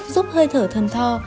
giúp hơi thở thơm tho